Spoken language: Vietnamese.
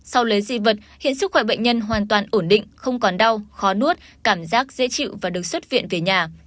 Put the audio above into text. sau lấy di vật hiện sức khỏe bệnh nhân hoàn toàn ổn định không còn đau khó nuốt cảm giác dễ chịu và được xuất viện về nhà